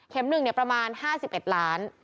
เข็ม๑เนี่ยประมาณ๕๑ล้าน